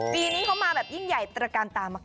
ปีนี้เขามาแบบยิ่งใหญ่ตระการตามาก